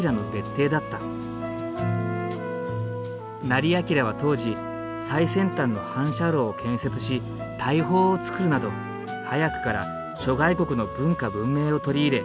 斉彬は当時最先端の反射炉を建設し大砲を作るなど早くから諸外国の文化文明を取り入れ